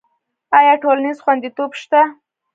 آیا ټولنیز خوندیتوب شته؟